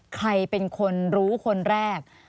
ใครเป็นคนรู้คนแรก